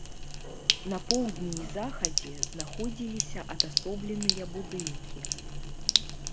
На поўдні і захадзе знаходзіліся адасобленыя будынкі.